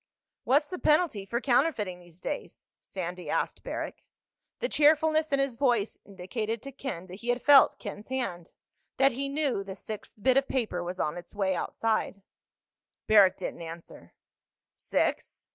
"What's the penalty for counterfeiting these days?" Sandy asked Barrack. The cheerfulness in his voice indicated to Ken that he had felt Ken's hand—that he knew the sixth bit of paper was on its way outside. Barrack didn't answer. "Six?"